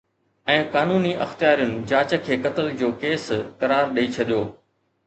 ۽ قانوني اختيارين جاچ کي قتل جو ڪيس قرار ڏئي ڇڏيو